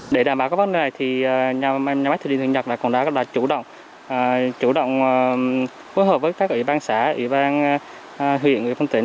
để đảm bảo các vấn đề này thì nhà máy thủy điện thượng nhật đã chủ động phối hợp với các ủy ban xã ủy ban huyện ủy phong tỉnh